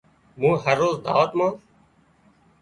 مُون هروز دعوت مان